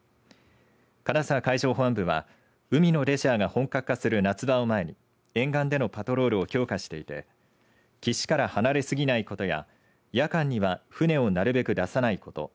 金沢海上保安部は海のレジャーが本格化する夏場を前に沿岸でのパトロールを強化していて岸から離れすぎないことや夜間には船をなるべく出さないこと